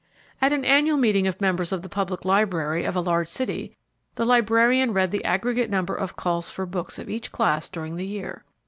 At an annual meeting of members of the public library of a large city, the librarian read the aggregate number of calls for books of each class during the year.